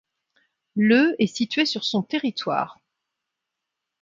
Le est situé sur son territoire.